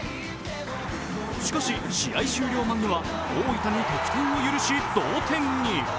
しかし試合終了間際大分に得点を許し同点に。